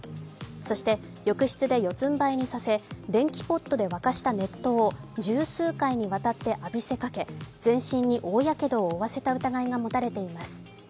そして、浴室で四つんばいにさせ電気ポットで沸かした熱湯を十数回にわたって浴びせかけ全身に大やけどを負わせた疑いが持たれています。